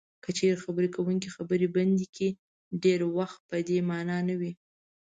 که چېرې خبرې کوونکی خبرې بندې کړي ډېری وخت په دې مانا نه وي.